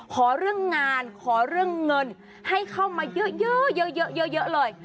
ขอเรื่องงานขอเรื่องเงินให้เข้ามาเยอะเยอะเลย